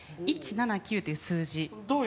１７９という数字。